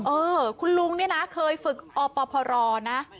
เออคุณลุงเนี่ยนะเคยฝึกอปพรนะ